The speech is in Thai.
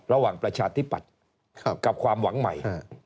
ระหว่างประชาธิบัติกับความหวังใหม่